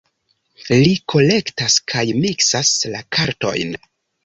Li kolektas kaj miksas la kartojn.